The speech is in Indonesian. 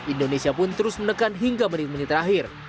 indonesia pun terus menekan hingga menit menit terakhir